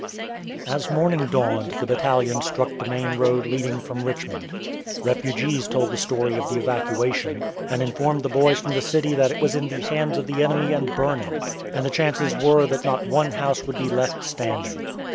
As morning dawned the battalion struck the main road leading from Richmond. Refugees told the story of the evacuation, and informed the boys from the city that it was in the hands of the enemy and burning, and the chances were that not one house would be left standing.